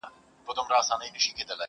اوس د سیالانو په ټولۍ کي مي ښاغلی یمه.!